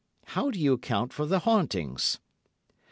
How do you account for the hauntings?"